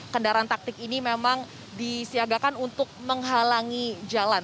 kendaraan taktik ini memang disiagakan untuk menghalangi jalan